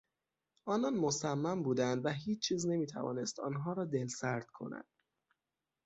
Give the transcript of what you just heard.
آنان مصمم بودند و هیچ چیز نمیتوانست آنها را دلسرد کند.